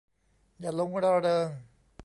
อย่าหลงระเริง